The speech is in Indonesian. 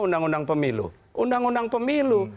undang undang pemilu undang undang pemilu